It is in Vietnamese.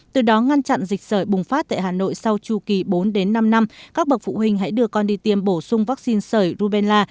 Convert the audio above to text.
từ đó ngăn chặn dịch sởi bùng phát tại hà nội sau chu kỳ bốn đến năm năm các bậc phụ huynh hãy đưa con đi tiêm bổ sung vaccine sởi rubenla